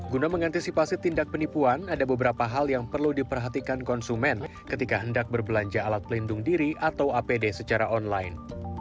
guna mengantisipasi tindak penipuan ada beberapa hal yang perlu diperhatikan konsumen ketika hendak berbelanja alat pelindung diri atau apd secara online